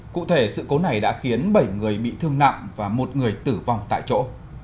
cụ thể sự cố này đã khiến bảy người bị thương nặng và một người tử vong tại chỗ